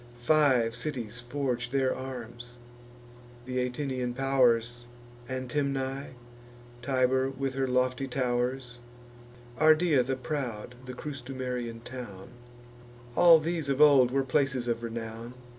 Five cities forge their arms: th' Atinian pow'rs, Antemnae, Tibur with her lofty tow'rs, Ardea the proud, the Crustumerian town: All these of old were places of renown.